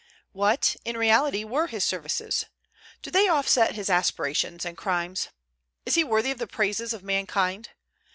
What, in reality, were his services? Do they offset his aspirations and crimes? Is he worthy of the praises of mankind?